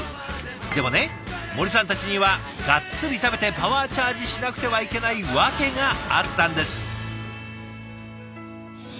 でもね森さんたちにはがっつり食べてパワーチャージしなくてはいけない訳があったんです。